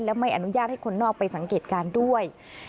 และไม่อนุญาตให้คนนอกไปสังเกตการณ์ด้วย